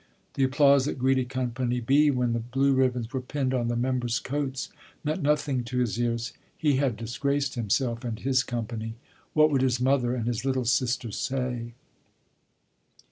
The applause that greeted company "B" when the blue ribbons were pinned on the members' coats meant nothing to his ears. He had disgraced himself and his company. What would his mother and his "little sister" say?